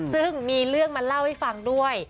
ซึ่งมีเรื่องมาเล่าให้ฟังด้วย